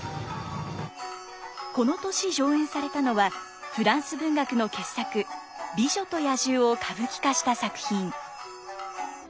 この年上演されたのはフランス文学の傑作「美女と野獣」を歌舞伎化した作品。